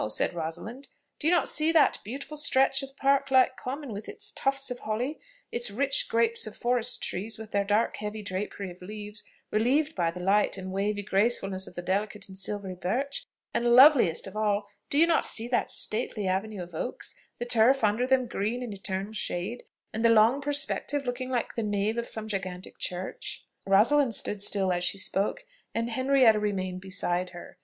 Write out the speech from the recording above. said Rosalind. "Do you not see that beautiful stretch of park like common, with its tufts of holly, its rich groups of forest trees, with their dark heavy drapery of leaves, relieved by the light and wavy gracefulness of the delicate and silvery birch? and, loveliest of all, do you not see that stately avenue of oaks, the turf under them green in eternal shade, and the long perspective, looking like the nave of some gigantic church?" Rosalind stood still as she spoke, and Henrietta remained beside her.